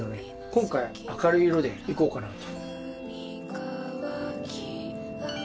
今回明るい色でいこうかなと。